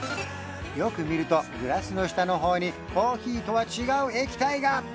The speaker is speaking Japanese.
よく見るとグラスの下の方にコーヒーとは違う液体が！